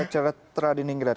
ceretra di ninggerat